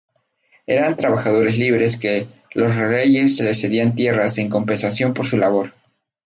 Eran trabajadores libres que los reyes les cedían tierras en compensación por su labor.